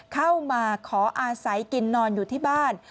เข้ามาขออาศัยกินนอนอยู่ที่บ้าน